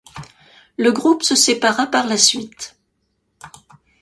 Le groupe se sépara par la suite.